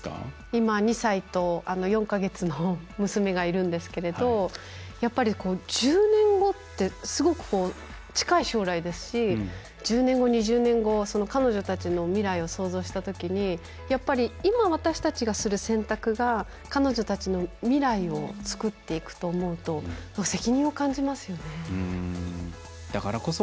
今、２歳と４か月の娘がいるんですけれどやっぱり１０年後ってすごく近い将来ですし１０年後、２０年後その彼女のたちの未来を想像したときにやっぱり今、私たちがする選択が彼女たちの未来をつくっていくと思うと責任を感じますよね。